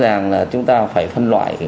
rõ ràng là chúng ta phải phân loại